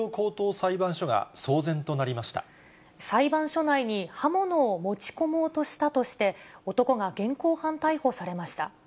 裁判所内に刃物を持ち込もうとしたとして、男が現行犯逮捕されました。